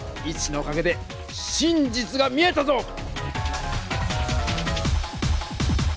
イチのおかげで真実が見えたぞ！